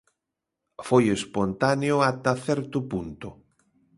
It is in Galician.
Foi espontáneo ata certo punto.